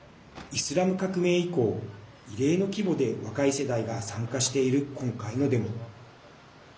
イスラム革命以降、異例の規模で若い世代が参加している今回のデモ。